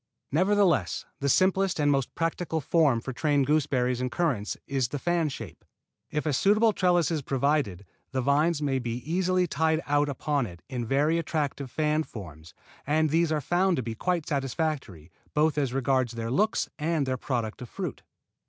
Nevertheless the simplest and most practical form for trained gooseberries and currants is the fan shape. If a suitable trellis is provided, the vines may be easily tied out upon it in very attractive fan forms and these are found to be quite satisfactory, both as regards their looks and their product of fruit.